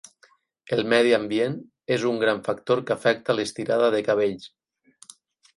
El medi ambient és un gran factor que afecta l'estirada de cabells.